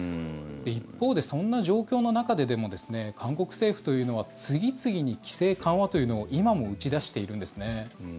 一方で、そんな状況の中ででも韓国政府というのは次々に規制緩和というのを今も打ち出しているんですね。